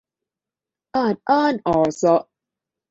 ออดอ้อนออเซาะ